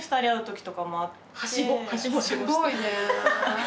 すごいね。